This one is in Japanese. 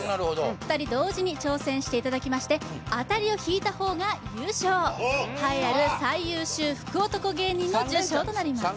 ２人同時に挑戦していただきまして当たりを引いたほうが優勝栄えある最優秀福男芸人の受賞となります